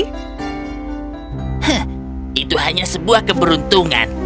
hah itu hanya sebuah keberuntungan